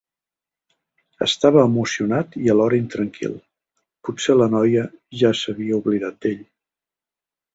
Estava emocionat i alhora intranquil: potser la noia ja s'havia oblidat d'ell.